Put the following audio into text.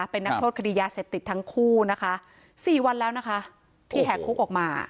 เป็นนักโทษคดียาเสพติดทั้งคู่นะคะ๔วันแล้วนะคะที่แหกคุกออกมา